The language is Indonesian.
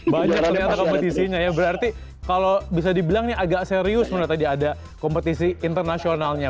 banyak ternyata kompetisinya ya berarti kalau bisa dibilang ini agak serius menurut tadi ada kompetisi internasionalnya